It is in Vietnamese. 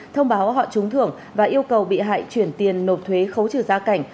thông báo họ trúng thưởng và yêu cầu bị hại chuyển tiền nộp thuế khấu trừ gia cảnh